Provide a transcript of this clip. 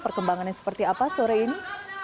perkembangannya seperti apa sore ini